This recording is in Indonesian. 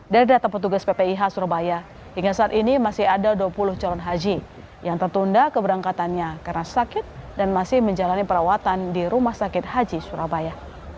dari data petugas ppih surabaya hingga saat ini masih ada dua puluh calon haji yang tertunda keberangkatannya karena sakit dan masih menjalani perawatan di rumah sakit haji surabaya